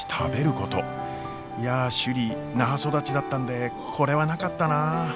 いや首里那覇育ちだったんでこれはなかったなあ。